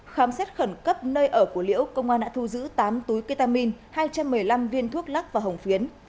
khám xét khẩn cấp nơi ở của liễu công an đã thu giữ tám túi ketamine hai trăm một mươi năm viên thuốc lắc và hồng phiến